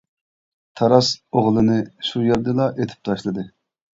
تاراس ئوغلىنى شۇ يەردىلا ئېتىپ تاشلىدى.